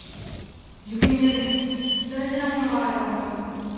受験よりも大事なものがあると思うんだ。